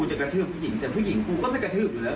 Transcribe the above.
จะกระทืบผู้หญิงแต่ผู้หญิงกูก็ไม่กระทืบอยู่แล้ว